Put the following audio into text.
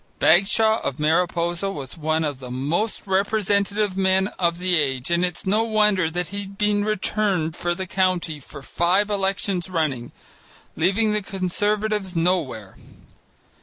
Bagshaw of Mariposa was one of the most representative men of the age, and it's no wonder that he had been returned for the county for five elections running, leaving the Conservatives nowhere.